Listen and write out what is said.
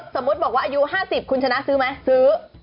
สมมุติบอกว่าอายุ๕๐คุณชนะซื้อไหมซื้อ